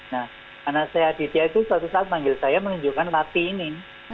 nah anak saya aditya itu suatu saat manggil saya menunjukkan mati ini